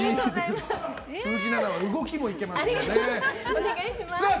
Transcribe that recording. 鈴木奈々は動きも行けますのでね。